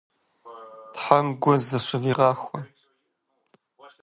Тхьэм гу зэщывигъахуэ.